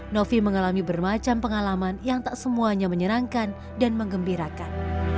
novi mengalami bermacam pengalaman yang tak semuanya menyerangkan dan mengembirakan